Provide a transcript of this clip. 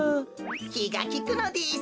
きがきくのです。